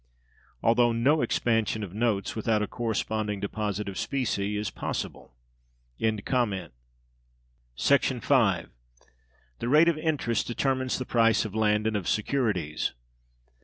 Although no expansion of notes, without a corresponding deposit of specie, is possible. § 5. The Rate of Interest determines the price of land and of Securities.